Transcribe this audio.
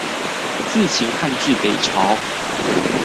自秦漢至北朝